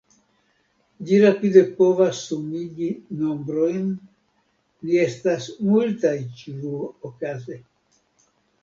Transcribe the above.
Ĝi rapide povas sumigi nombrojn, ni estas multaj, ĉiuokaze.